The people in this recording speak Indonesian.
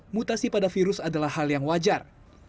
mutasi pada virus adalah hal yang wajar